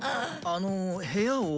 あの部屋を。